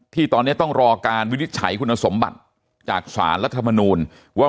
ที่ตอนนี้ต้องรอการวินิจฉัยคุณสมบัติจากสารรัฐมนูลว่า